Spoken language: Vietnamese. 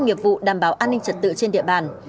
nghiệp vụ đảm bảo an ninh trật tự trên địa bàn